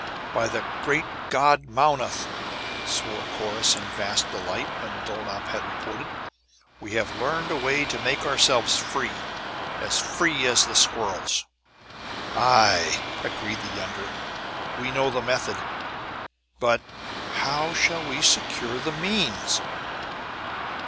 "By the great god Mownoth!" swore Corrus in vast delight when Dulnop had reported. "We have learned a way to make ourselves free! As free as the squirrels!" "Aye," agreed the younger. "We know the method. But how shall we secure the means?"